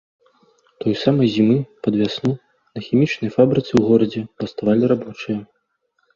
Той самай зімы, пад вясну, на хімічнай фабрыцы, у горадзе, баставалі рабочыя.